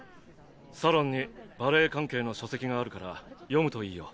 サロンにバレエ関係の書籍があるから読むといいよ。